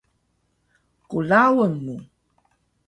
klaun mu